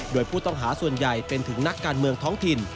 โดยผู้ต้องหาส่วนใหญ่เป็นถึงนักการเมืองท้องถิ่น